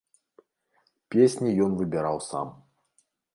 Песні ён выбіраў сам.